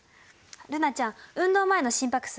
瑠菜ちゃん運動前の心拍数は？